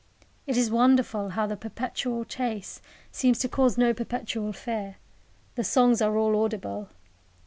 It is wonderful how the perpetual chase seems to cause no perpetual fear. The songs are all audible.